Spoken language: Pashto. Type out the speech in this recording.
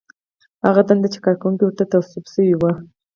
هغه دنده چې کارکوونکی ورته توظیف شوی وي.